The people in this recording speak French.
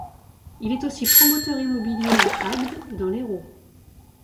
Il est aussi promoteur immobilier à Agde dans l'Hérault.